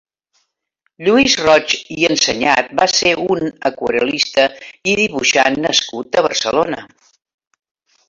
Lluís Roig i Enseñat va ser un aquarel·lista i dibuixant nascut a Barcelona.